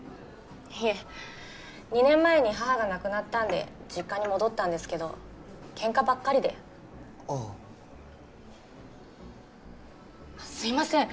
いえ２年前に母が亡くなったんで実家に戻ったんですけどケンカばっかりでああすいません